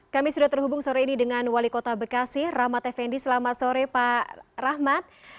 kami sudah terhubung sore ini dengan wali kota bekasi rahmat effendi selamat sore pak rahmat